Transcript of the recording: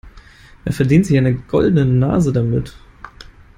Er verdient sich eine goldene Nase damit.